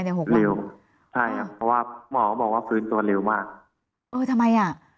เออทำไมอ่ะ